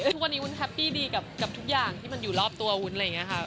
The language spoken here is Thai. ทุกวันนี้วุ้นแฮปปี้ดีกับทุกอย่างที่มันอยู่รอบตัววุ้นอะไรอย่างนี้ค่ะ